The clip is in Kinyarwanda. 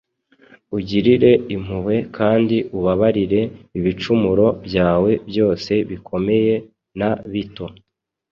Ugirire impuhwe kandi ubabarire ibicumuro byawe byose bikomeye na bito.